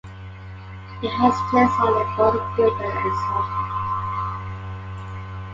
He has taste only for the great and exalted.